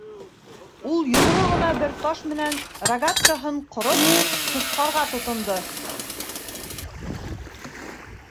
Ул йомро ғына бер таш менән рогаткаһын ҡороп, тоҫҡарға тотондо.